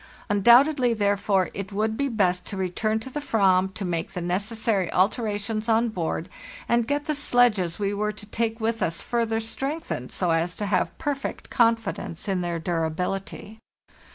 Undoubtedly, there fore, it would be best to return to the /vam to make the necessary alterations on board, and get the sledges we were to take with us further strengthened, so as to have perfect confidence in their durability.